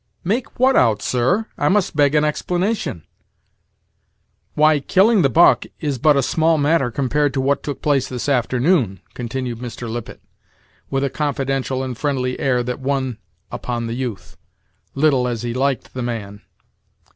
"Make what out, sir? I must beg an explanation." "Why, killing the buck is but a small matter compared to what took place this afternoon," continued Mr. Lippet, with a confidential and friendly air that won upon the youth, little as he liked the man.